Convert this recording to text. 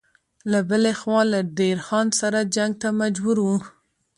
له بلې خوا له دیر خان سره جنګ ته مجبور و.